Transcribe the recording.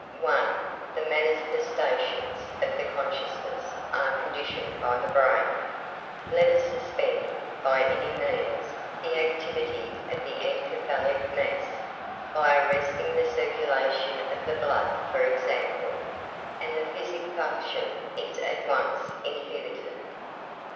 1. The manifestations of the consciousness are conditioned by the brain. Let us suspend, by any means, the activity of the encephalic mass, by arresting the circulation of the blood for example, and the psychic function is at once inhibited.